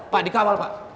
pak dikawal pak